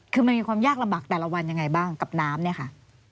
คือมันมีความยากลำบากแต่ละวันยังไงบ้างกับน้ำเนี่ยค่ะ